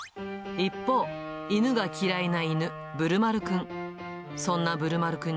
一方、犬が嫌いな犬、ぶるまるくん。